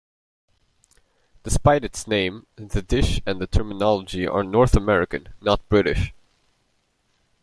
Despite its name, the dish and the terminology are North American, not British.